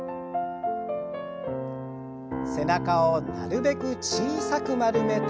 背中をなるべく小さく丸めて。